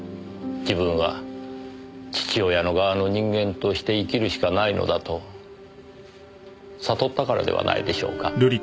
自分は父親の側の人間として生きるしかないのだと悟ったからではないでしょうか。